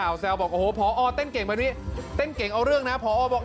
อยากจะมอบความสุขให้พอบอนบอกว่าก่อนอันนี้เด็กช่วยเหลือกิจกรรมของโรงเรียนมันหนักหน่วง